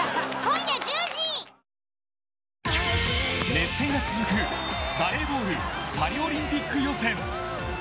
熱戦が続くバレーボールパリオリンピック予選。